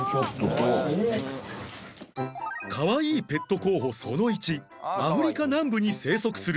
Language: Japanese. かわいいペット候補その１アフリカ南部に生息するミーアキャット